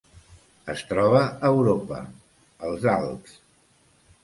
Es troba a Europa: els Alps.